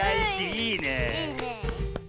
いいねえ。